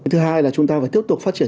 thứ hai là chúng ta phải tiếp tục phát triển